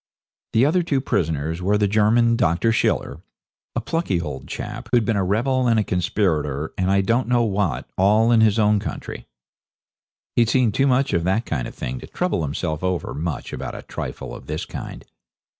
The other two prisoners were the German Dr. Schiller a plucky old chap, who'd been a rebel and a conspirator and I don't know what all in his own country. He'd seen too much of that kind of thing to trouble himself over much about a trifle of this kind.